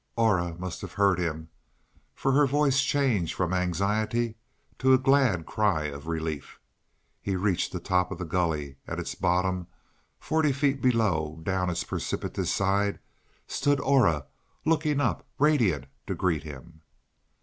Aura must have heard him, for her voice changed from anxiety to a glad cry of relief. He reached the top of the gully; at its bottom forty feet below down its precipitous side stood Aura, looking up, radiant, to greet him.